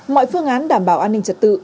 mọi phương án đảm bảo an ninh trật tự